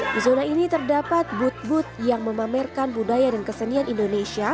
di zona ini terdapat booth booth yang memamerkan budaya dan kesenian indonesia